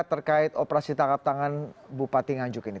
terkait operasi tanggap tangan bupati teringanjuk ini